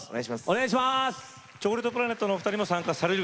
チョコレートプラネットのお二人も参加される？